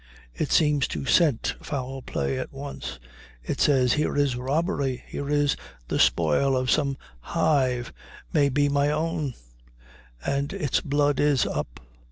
It seems to scent foul play at once. It says, "Here is robbery; here is the spoil of some hive, may be my own," and its blood is up.